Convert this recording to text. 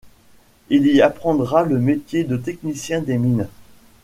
Il y apprendra le métier de technicien des mines.